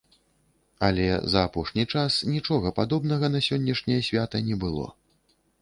Але за апошні час нічога падобнага на сённяшняе свята не было.